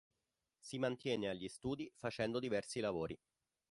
Si mantiene agli studi facendo diversi lavori.